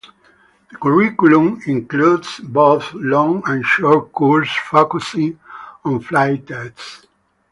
The curriculum includes both long and short courses focusing on flight tests.